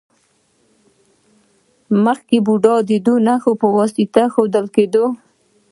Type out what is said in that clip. مخکې بودا د نښو په واسطه ښودل کیده